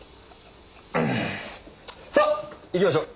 さあ行きましょう！